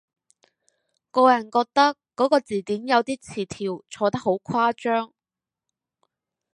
個人覺得嗰個字典有啲詞條錯得好誇張